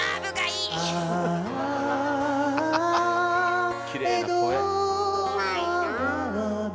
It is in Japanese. きれいな声。